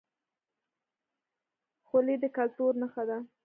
خولۍ د کلتور نښه ده